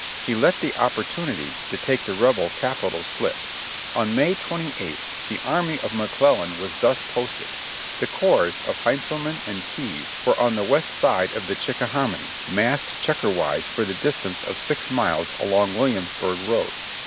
He let the opportunity to take the rebel Capital slip. THE BATTlvE OF SEVEN" FIXES 12/ On May 28th the army of McCIellan was thus posted; the corps of Heintzehnan and Keyes were on the west side of the Chickahominy, massed checker wise for the distance of six miles along Williamsburg road.